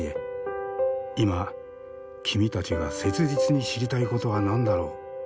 今君たちが切実に知りたいことは何だろう？